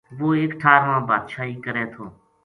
وہ ایک ٹھار ما بادشاہی کرے تھو